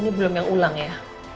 ini belum yang ulang ya